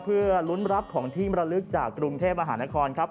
เพื่อลุ้นรับของที่มรลึกจากกรุงเทพมหานครครับ